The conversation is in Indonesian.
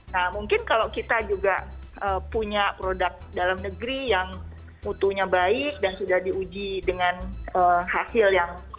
nah mungkin kalau kita juga punya produk dalam negeri yang mutunya baik dan sudah diuji dengan hasil yang